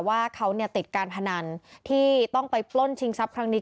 ว่าเขาติดการพนันที่ต้องไปปล้นชิงทรัพย์ครั้งนี้